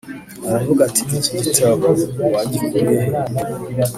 Aravuga ati iki gitabo wagikuye he‽